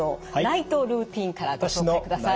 ナイトルーティンからご紹介ください。